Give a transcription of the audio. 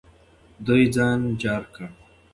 دوی ځان جار کړ.